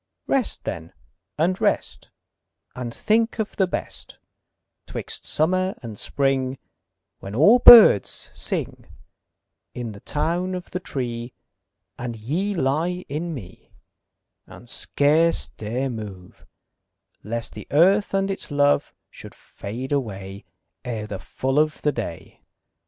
Rest then and rest, And think of the best 'Twixt summer and spring, When all birds sing In the town of the tree, And ye lie in me And scarce dare move, Lest the earth and its love Should fade away Ere the full of the day.